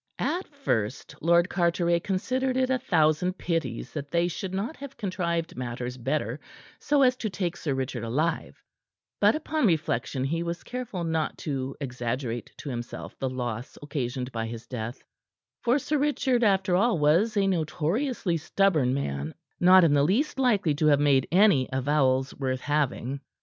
At first Lord Carteret considered it a thousand pities that they should not have contrived matters better so as to take Sir Richard alive; but upon reflection he was careful not to exaggerate to himself the loss occasioned by his death, for Sir Richard, after all, was a notoriously stubborn man, not in the least likely to have made any avowals worth having.